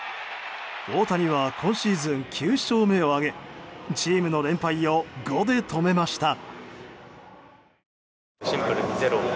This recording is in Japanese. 大谷は今シーズン９勝目を挙げチームの連敗を５で止めました。